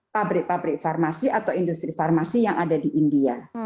pabrik pabrik farmasi atau industri farmasi yang ada di india